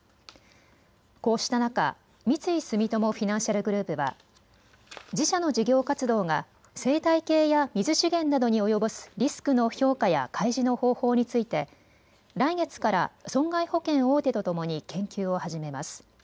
こうした中、三井住友フィナンシャルグループは自社の事業活動が生態系や水資源などに及ぼすリスクの評価や開示の方法について来月から損害保険大手とともに研究を始めます。